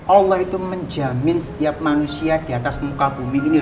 allah itu menjamin setiap manusia di atas muka bumi ini